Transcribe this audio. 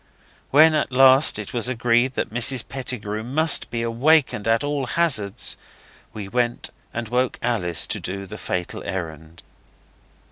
When at last it was agreed that Mrs Pettigrew must be awakened at all hazards, we went and woke Alice to do the fatal errand.